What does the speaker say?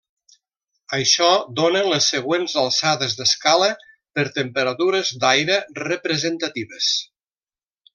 Això dóna les següents alçades d'escala per temperatures d'aire representatives.